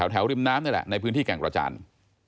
ริมน้ำนี่แหละในพื้นที่แก่งกระจาน